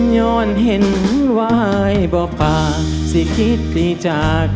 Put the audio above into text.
ย้อนเห็นวายบ่อป่าสิคิดดีจาก